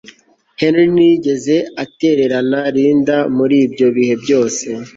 Henry ntiyigeze atererana Linda muri ibyo bihe byose